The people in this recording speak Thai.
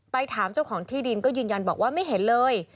ถามเจ้าของที่ดินก็ยืนยันบอกว่าไม่เห็นเลย